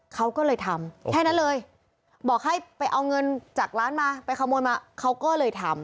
เขาก็เลยทำแค่นั้นเลยบอกให้ไปเอาเงินจากร้านมาไปขโมยมาเขาก็เลยทำ